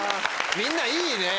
みんないいね！